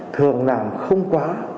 thường làm không quá